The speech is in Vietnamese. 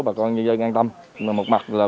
bà con dân dân an tâm một mặt là